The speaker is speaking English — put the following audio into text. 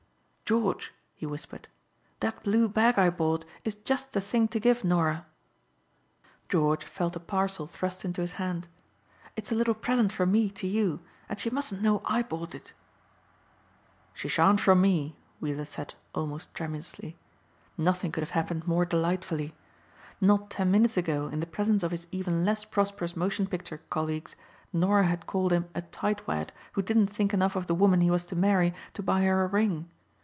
"George," he whispered, "that blue bag I bought is just the thing to give Norah." George felt a parcel thrust into his hand. "It's a little present from me to you and she mustn't know I bought it." "She shan't from me," Weiller said almost tremulously. Nothing could have happened more delightfully. Not ten minutes ago in the presence of his even less prosperous motion picture colleagues, Norah had called him a tightwad who didn't think enough of the woman he was to marry to buy her a ring.